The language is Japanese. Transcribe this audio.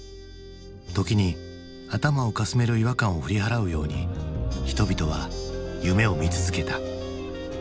時に頭をかすめる違和感を振り払うように人々は夢を見続けた。